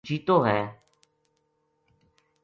جیتو ہے